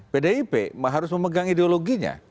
pdip harus memegang ideologinya